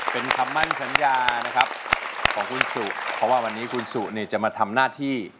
เป็นคำมั่นสัญญานะครับของคุณสุเพราะว่าวันนี้คุณสุเนี่ยจะมาทำหน้าที่